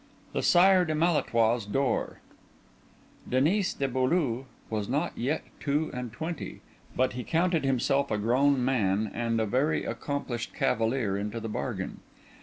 THE SIRE DE MALÉTROIT'S DOOR Denis de Beaulieu was not yet two and twenty, but he counted himself a grown man, and a very accomplished cavalier into the bargain.